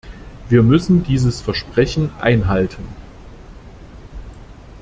Wir müssen dieses Versprechen einhalten.